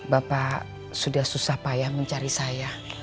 bapak sudah susah payah mencari saya